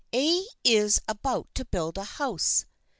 " A is about to build a house.